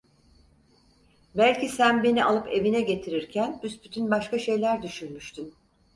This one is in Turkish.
Belki sen beni alıp evine getirirken büsbütün başka şeyler düşünmüştün.